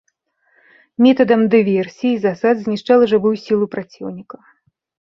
Метадам дыверсій і засад знішчала жывую сілу праціўніка.